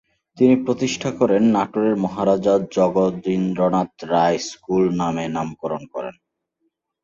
তিনি প্রতিষ্ঠা করেন, নাটোরের মহারাজা জগদিন্দ্রনাথ রায় স্কুল নামে নামকরণ করেন।